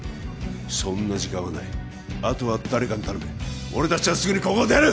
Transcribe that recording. そんな時間はないあとは誰かに頼め俺たちはすぐにここを出る！